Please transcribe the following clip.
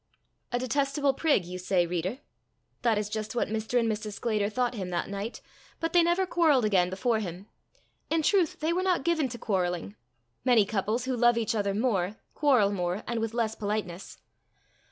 "A detestable prig!" you say, reader? That is just what Mr. and Mrs. Sclater thought him that night, but they never quarrelled again before him. In truth, they were not given to quarrelling. Many couples who love each other more, quarrel more, and with less politeness.